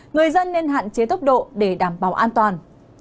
người dân nên hạn chế tốc độ để đảm bảo an toàn